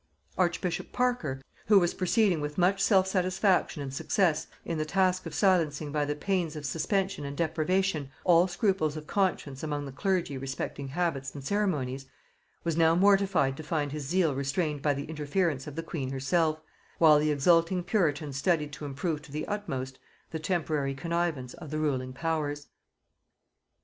Archbishop Parker, who was proceeding with much self satisfaction and success in the task of silencing by the pains of suspension and deprivation all scruples of conscience among the clergy respecting habits and ceremonies, was now mortified to find his zeal restrained by the interference of the queen herself, while the exulting puritans studied to improve to the utmost the temporary connivance of the ruling powers.